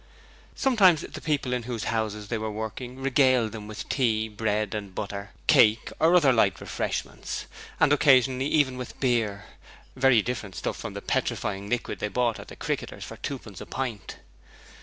Sometimes the people in whose houses they were working regaled them with tea, bread and butter, cake or other light refreshments, and occasionally even with beer very different stuff from the petrifying liquid they bought at the Cricketers for twopence a pint.